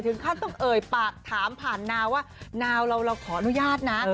ท่านต้องเอ่ยปากถามผ่านนาว่านาวเราขออนุญาตนะ